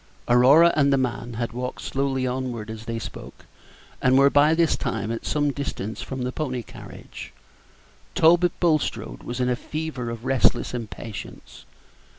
Aurora and the man had walked slowly onward as they spoke, and were by this time at some distance from the pony carriage. Talbot Bulstrode was in a fever of restless impatience.